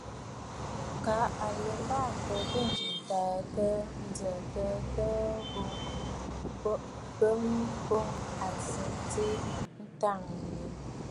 Kə̀ à lɛ mbaà m̀bə bə ǹjə̀ə̀ təə təə ò, bəə boŋ a zi tsiꞌì taaŋgɔ̀ŋə̀.